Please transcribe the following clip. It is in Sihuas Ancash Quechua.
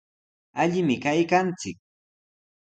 Allimi kaykanchik.